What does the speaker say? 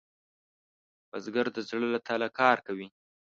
بزګر د زړۀ له تله کار کوي